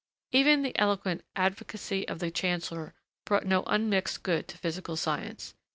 Even the eloquent advocacy of the Chancellor brought no unmixed good to physical science.